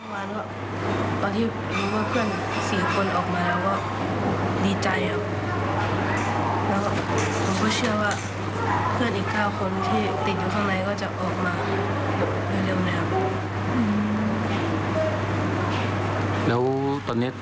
วันนั้นอ่ะตอนที่รู้ว่าเพื่อน๔คนออกมาแล้วก็ดีใจอ่ะ